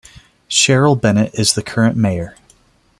Sherrel Bennett is the current mayor.